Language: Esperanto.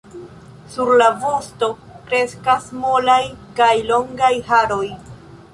Sur la vosto kreskas molaj kaj longaj haroj.